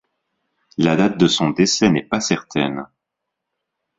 La date de son décès n'est pas certaine.